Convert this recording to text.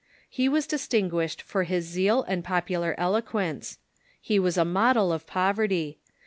He was distinguished for his zeal and popu lar eloquence. He was a model of poverty.